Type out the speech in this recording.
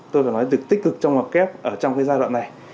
tôi phải nói tích cực trong hoạt kép ở trong cái giai đoạn này